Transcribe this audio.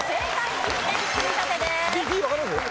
２点積み立てです。